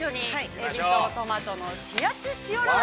えびとトマトの冷やし塩ラーメン。